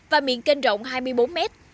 và miệng kênh rộng hai mươi bốn mét